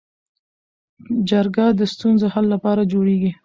جرګه د ستونزو حل لپاره جوړیږي